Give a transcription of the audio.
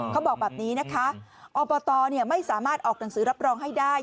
เขาบอกแบบนี้นะคะอบตไม่สามารถออกหนังสือรับรองให้ได้